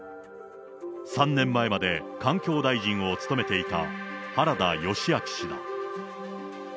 ３年前まで環境大臣を務めていた原田義昭氏だ。